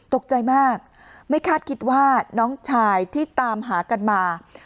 ตกใจมากไม่คาดคิดว่าน้องชายที่ตามหากันมา